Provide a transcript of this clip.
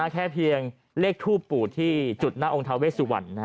แค่เพียงเลขทูปปูดที่จุดหน้าองค์ทาเวสุวรรณ